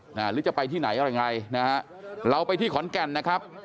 หรือจะไปที่ไหนอะไรยังไงนะฮะเราไปที่ขอนแก่นนะครับ